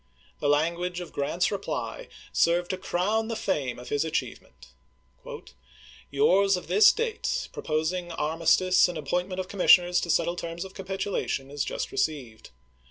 The language of Grant's reply served to crown the fame of his achievement :" Yours of this date, proposing ar mistice and appointment of commissioners to settle terms of capitulation, is just received.